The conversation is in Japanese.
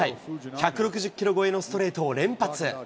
１６０キロ超えのストレートを連発。